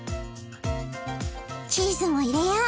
チーズも入れよう。